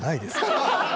ハハハッ！